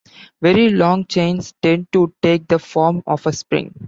Very long chains tend to take the form of a spring.